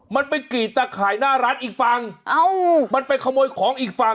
มันไปกรีดตะข่ายหน้าร้านอีกฝั่งเอ้ามันไปขโมยของอีกฝั่ง